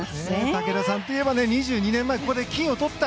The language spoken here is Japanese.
武田さんといえば２２年前ここで金を取った。